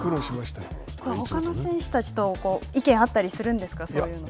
ほかの選手たちと意見が合ったりするんですか、そういうのは。